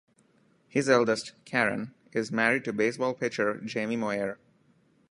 His eldest, Karen, is married to baseball pitcher Jamie Moyer.